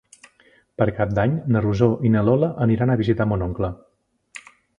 Per Cap d'Any na Rosó i na Lola aniran a visitar mon oncle.